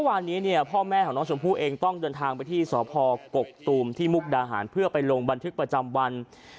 วันนี้เนี่ยพ่อแม่ของน้องชมพู่เองต้องเดินทางไปที่สพกกตูมที่มุกดาหารเพื่อไปลงบันทึกประจำวัน